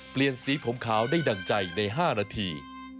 เปลี่ยนสีผมขาวได้ดั่งใจใน๕นาที